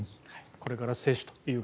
これから接種という方